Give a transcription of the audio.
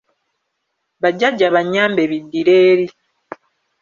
Bajjajja bannyambe biddire eri.